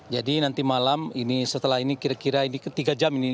jadi nanti malam ini setelah ini kira kira tiga jam ini